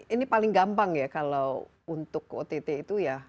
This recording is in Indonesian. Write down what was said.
ini paling gampang ya kalau untuk ott itu ya